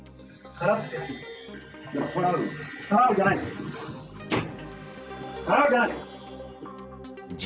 払うじゃないよ！